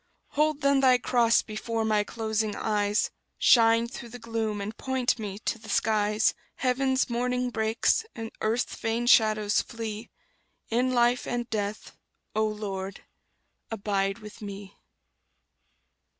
Hold then Thy cross before my closing eyes; Shine through the gloom, and point me to the skies: Heaven's morning breaks, and earth's vain shadows flee In life and death, O Lord, abide with me!